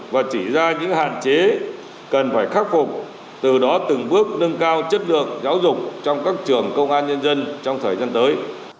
và chỉ ra những hạn chế cần phải khắc phục từ đó từng bước nâng cao chất lượng giáo dục trong các trường công an nhân dân trong thời gian tới